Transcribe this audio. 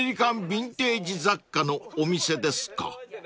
ビンテージ雑貨のお店ですか］